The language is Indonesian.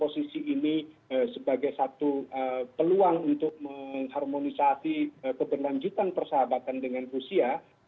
sebagai satu peluang untuk mengharmonisasi keberlanjutan persahabatan dengan rusia